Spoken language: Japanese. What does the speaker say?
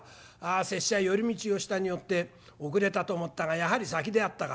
拙者寄り道をしたによって遅れたと思ったがやはり先であったか。